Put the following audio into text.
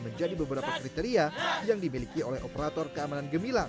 menjadi beberapa kriteria yang dimiliki oleh operator keamanan gemilang